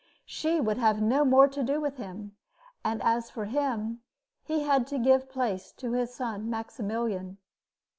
She would have no more to do with him; and as for him, he had to give place to his son Maximilian.